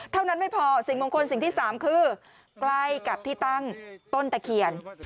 เท่านั้นไม่พอสิ่งมงคลสิ่งที่สามคือใกล้กับที่ตั้งต้นตะเคียน